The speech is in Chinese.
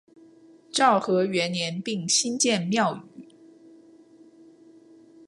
昭和元年并新建庙宇。